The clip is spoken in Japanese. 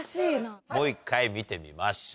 もう１回見てみましょう。